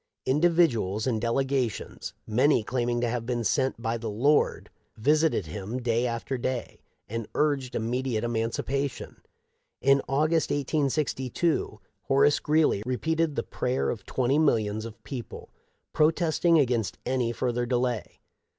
Individuals and delegations, many claiming to have been sent by the Lord, visited him day after day, and urged immediate emancipation. In August, 1862, Horace Greeley repealed the " prayer of twenty millions of peo ple " protesting against any further delay.